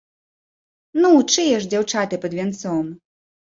Ну, чые ж дзяўчаты пад вянцом?